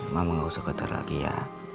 mama gak usah ketar lagi ya